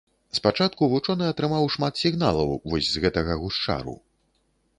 Спачатку вучоны атрымаў шмат сігналаў вось з гэтага гушчару.